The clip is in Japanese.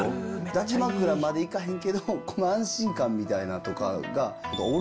抱き枕までいかへんけど安心感みたいなんとかが。